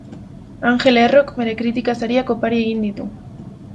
Angel Errok bere kritika sariak opari egin ditu.